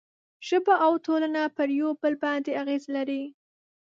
ژبه او ټولنه پر یو بل باندې اغېز لري.